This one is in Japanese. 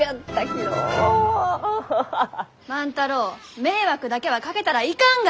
万太郎迷惑だけはかけたらいかんが！